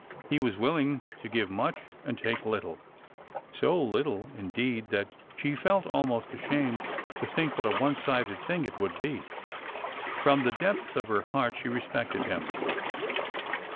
He was willing to give much and take little, — so little, indeed, that she felt almost ashamed to think what a one sided thing it would be. From the depths of her heart she respected him.